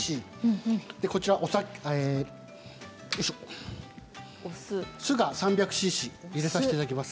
お酢が３００ｃｃ入れさせていただきます。